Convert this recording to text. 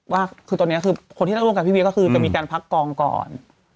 ว่าตอนนี้คนที่รักร่วมงานกับพี่เวียก็คือจะมีการพักกองก่อน